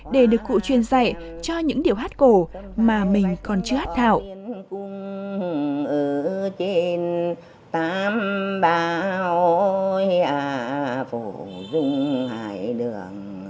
để được cụ truyền dạy cho những điệu hát cổ mà mình còn chưa hát thạo